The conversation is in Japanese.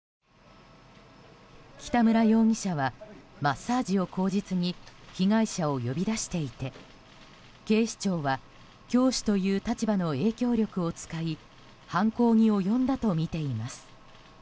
北村容疑者はマッサージを口実に被害者を呼び出していて警視庁は、教師という立場の影響力を使い犯行に及んだとみています。